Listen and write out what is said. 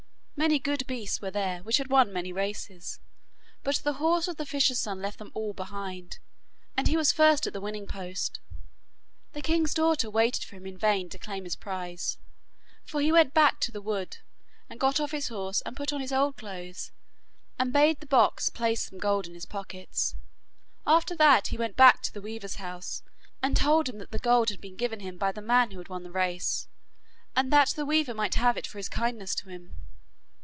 Many good beasts were there which had won many races, but the horse of the fisher's son left them all behind, and he was first at the winning post. The king's daughter waited for him in vain to claim his prize, for he went back to the wood, and got off his horse, and put on his old clothes, and bade the box place some gold in his pockets. After that he went back to the weaver's house, and told him that the gold had been given him by the man who had won the race, and that the weaver might have it for his kindness to him.